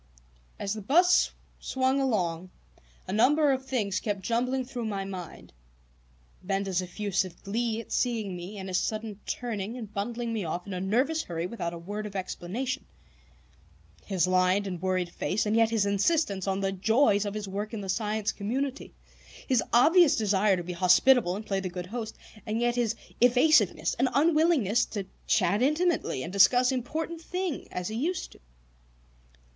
As the bus swung along, a number of things kept jumbling through my mind: Benda's effusive glee at seeing me, and his sudden turning and bundling me off in a nervous hurry without a word of explanation; his lined and worried face and yet his insistence on the joys of his work in The Science Community; his obvious desire to be hospitable and play the good host, and yet his evasiveness and unwillingness to chat intimately and discuss important things as he used to.